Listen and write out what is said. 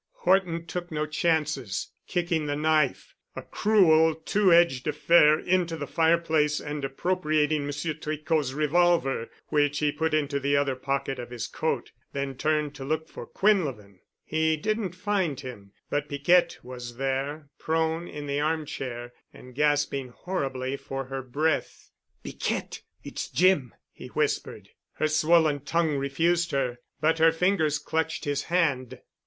Horton took no chances, kicking the knife, a cruel, two edged affair, into the fireplace and appropriating Monsieur Tricot's revolver, which he put into the other pocket of his coat, then turned to look for Quinlevin. He didn't find him, but Piquette was there, prone in the arm chair, and gasping horribly for her breath. "Piquette! It's Jim," he whispered. Her swollen tongue refused her, but her fingers clutched his hand.